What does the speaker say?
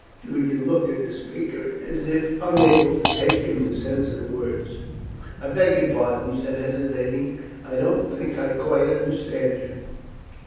Julian looked at the speaker as if unable to take in the sense of his words. "I beg your pardon," he said hesitatingly. "I don't think I quite understand you."